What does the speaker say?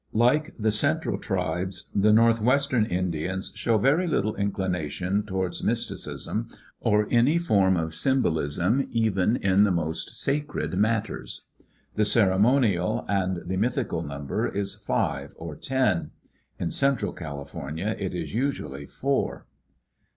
Like the central tribes the northwestern Indians show very little inclination towards mysticism or any form of symbol ism even in the most sacred matters. The ceremonial and the mythical number is five or ten. In central California it is usually fouV.